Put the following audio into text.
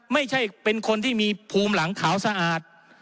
ไม่ใช่เป็นคนที่มีภูมิหลังขาวสะอาด